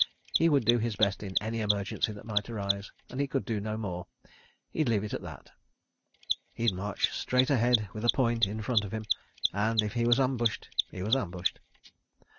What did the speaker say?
He would do his best in any emergency that might arise, and he could do no more. He'd leave it at that. He'd march straight ahead with a "point" in front of him, and if he was ambushed, he was ambushed.